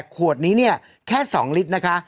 ขวดนี้เนี่ยแค่๒ลิตรนะคะ